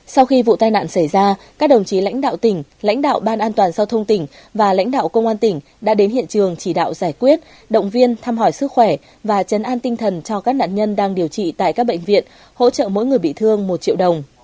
sau khi vụ tai nạn xảy ra các đồng chí lãnh đạo tỉnh lãnh đạo ban an toàn giao thông tỉnh và lãnh đạo công an tỉnh đã đến hiện trường chỉ đạo giải quyết động viên thăm hỏi sức khỏe và chấn an tinh thần cho các nạn nhân đang điều trị tại các bệnh viện hỗ trợ mỗi người bị thương một triệu đồng